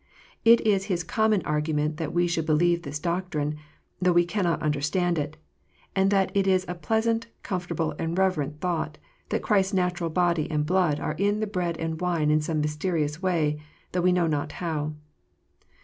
It is his common argument that we should believe the doctrine, though we cannot understand it; and that it is a pleasant, comfortable, and reverent thought, that Christ s natural body and blood are in the bread and wine in some mysterious way, though we know not how.